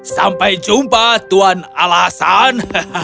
sampai jumpa tuan alasan